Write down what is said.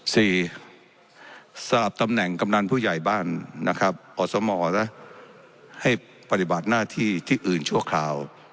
สี่ทราบตำแหน่งกำนันผู้ใหญ่บ้านนะครับอสมซะให้ปฏิบัติหน้าที่ที่อื่นชั่วคราว